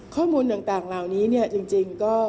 ข้อมูลต่างเหล่านี้จริง